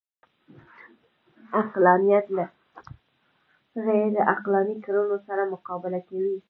عقلانیت له غیرعقلاني کړنو سره مقابله کوي